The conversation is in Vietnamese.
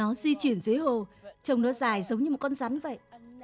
hồ lúc nét di chuyển dưới hồ trông nó dài giống như một con rắn vậy